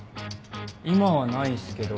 今はないっすけど。